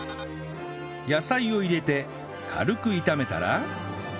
野菜を入れて軽く炒めたら